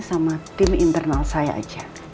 sama tim internal saya aja